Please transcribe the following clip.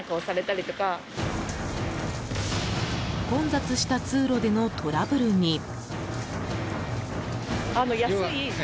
混雑した通路でのトラブルに。